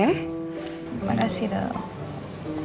terima kasih dok